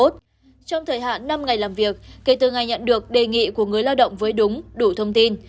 trong thời hạn năm ngày làm việc kể từ ngày nhận được đề nghị của người lao động với đúng đủ thông tin